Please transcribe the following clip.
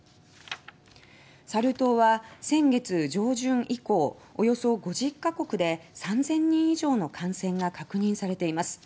サル痘は、先月上旬以降およそ５０か国で３０００人以上の感染が確認されています。